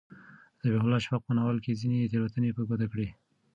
ذبیح الله شفق په ناول کې ځینې تېروتنې په ګوته کړي دي.